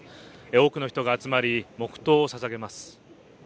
多くの人が集まり黙とうをささげます